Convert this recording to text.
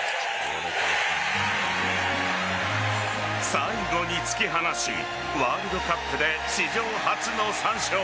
最後に突き放しワールドカップで史上初の３勝。